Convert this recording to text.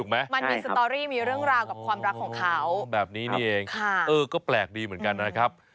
มันมีสตอรี่มีเรื่องราวกับความรักของเขาแบบนี้นี่เองก็แปลกดีเหมือนกันนะครับ